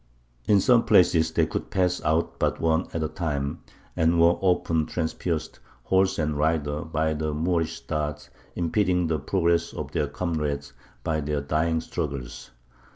In some places they could pass but one at a time, and were often transpierced, horse and rider, by the Moorish darts, impeding the progress of their comrades by their dying struggles.